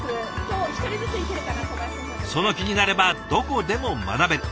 その気になればどこでも学べる。